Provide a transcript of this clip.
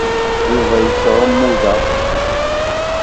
Yuba yettɛummu da.